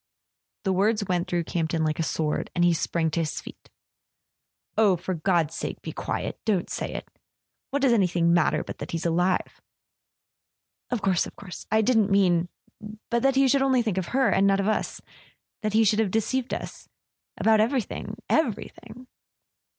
The words went through Campton like a sword, and he sprang to his feet. "Oh, for God's sake be quiet —don't say it! What does anything matter but that he's alive?" "Of course, of course. .. I didn't mean ... But that he should think only of her , and not of us ... that he should have deceived us ... about everything ... everything.